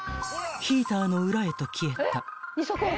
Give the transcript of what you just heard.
［ヒーターの裏へと消えた］